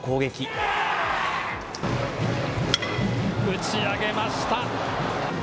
打ち上げました。